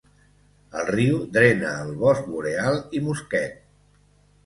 El riu drena el bosc boreal i muskeg.